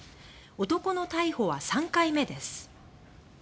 男の逮捕は３回目です。